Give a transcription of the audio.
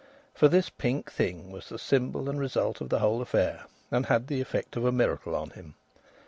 For this pink thing was the symbol and result of the whole affair, and had the effect of a miracle on him.